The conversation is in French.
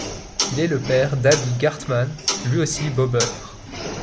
Il est le père d'Aby Gartmann, lui aussi bobeur.